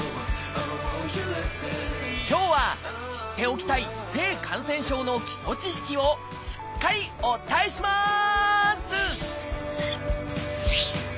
今日は知っておきたい性感染症の基礎知識をしっかりお伝えします！